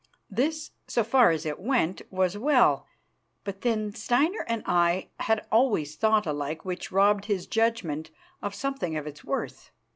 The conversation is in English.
This, so far as it went, was well; but, then, Steinar and I had always thought alike, which robbed his judgment of something of its worth.